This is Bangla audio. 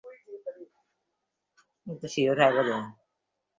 হুঙ্গারির লোক এবং তুর্কীরা একই জাত, তিব্বতীর কাছাকাছি।